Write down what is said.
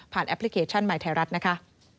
แอปพลิเคชันใหม่ไทยรัฐนะคะ